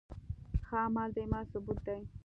ښه عمل د ایمان ثبوت دی.